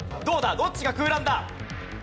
どっちが空欄だ？